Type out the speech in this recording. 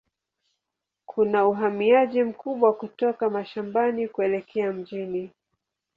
Kuna uhamiaji mkubwa kutoka mashambani kuelekea mjini.